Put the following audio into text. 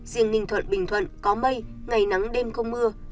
riêng ninh thuận bình thuận có mây ngày nắng đêm không mưa